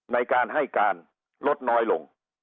ในการให้การลดน้อยลง